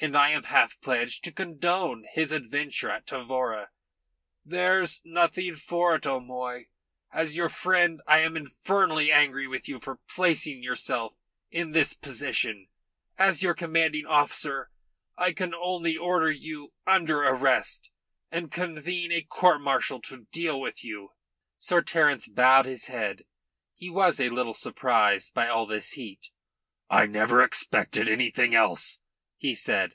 And I am half pledged to condone his adventure at Tavora. There's nothing for it, O'Moy. As your friend, I am infernally angry with you for placing yourself in this position; as your commanding officer I can only order you under arrest and convene a court martial to deal with you." Sir Terence bowed his head. He was a little surprised by all this heat. "I never expected anything else," he said.